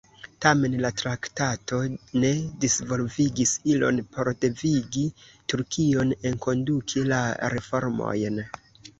Tamen, la traktato ne disvolvigis ilon por devigi Turkion enkonduki la reformojn.